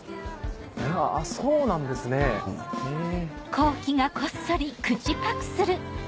いやそうなんですねへぇ。